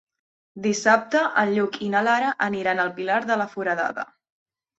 Dissabte en Lluc i na Lara aniran al Pilar de la Foradada.